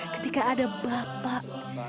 ketika ada bapak